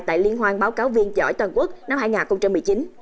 tại liên hoan báo cáo viên giỏi toàn quốc năm hai nghìn một mươi chín